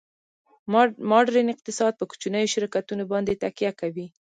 ماډرن اقتصاد په کوچنیو شرکتونو باندې تکیه کوي